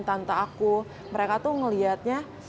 tante aku mereka tuh ngeliatnya